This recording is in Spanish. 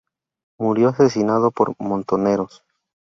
Murió asesinado por Montoneros.